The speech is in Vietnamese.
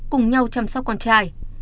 cùng nhau chăm sóc con trai